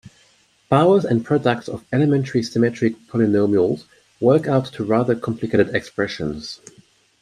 Powers and products of elementary symmetric polynomials work out to rather complicated expressions.